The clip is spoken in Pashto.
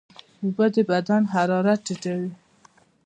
اوبه د بدن حرارت ټیټوي.